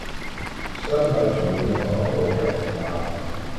Staat u mij toe om nog een andere opmerking te maken.